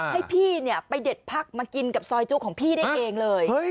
ให้พี่ไปเด็ดพักมากินกับซอยจุของพี่ได้เองเลย